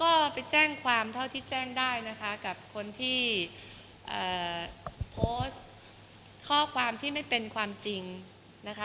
ก็ไปแจ้งความเท่าที่แจ้งได้นะคะกับคนที่โพสต์ข้อความที่ไม่เป็นความจริงนะคะ